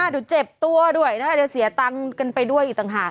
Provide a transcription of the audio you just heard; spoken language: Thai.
ดูเจ็บตัวด้วยเสียตังค์กันไปด้วยอีกต่างหาก